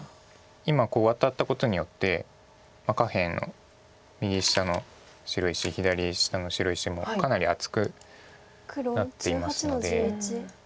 今ワタったことによって下辺の右下の白石左下の白石もかなり厚くなっていますので。